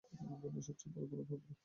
দুনিয়ার সবচেয়ে বড় গণতন্ত্র।